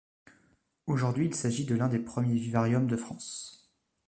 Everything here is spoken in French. Aujourd'hui, il s'agit de l'un des premiers vivariums de France.